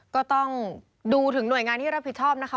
ก็ต้องดูถึงหน่วยงานที่รับผิดชอบนะคะ